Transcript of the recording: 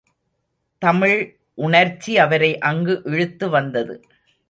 தமிழ் உணர்ச்சி அவரை அங்கு இழுத்து வந்தது.